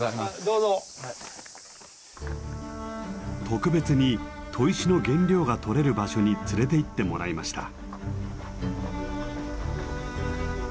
特別に砥石の原料が採れる場所に連れていってもらいました。